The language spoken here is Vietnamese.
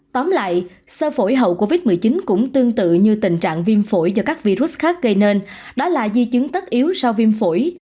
tóm lại sơ phổi hậu covid một mươi chín cũng tương tự như tình trạng viêm phổi do các virus khác gây nên đó là di chứng tất yếu sau viêm phổi